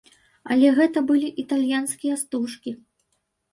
Але гэта былі італьянскія стужкі.